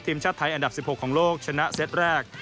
ทีมชาติไทยอันดับ๑๖ของโลกชนะเซตแรก